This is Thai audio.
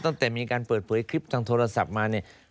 ตั้งแต่มีการเปิดเผยคลิปทางโทรศัพท์มาเนี่ย